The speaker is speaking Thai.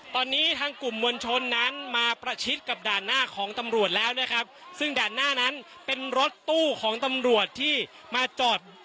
ตอนนี้ทางกลุ่มมวลชนนั้นมาประชิดกับด่านหน้าของตำรวจแล้วนะครับซึ่งด่านหน้านั้นเป็นรถตู้ของตำรวจที่มาจอด